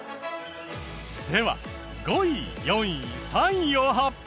では５位４位３位を発表！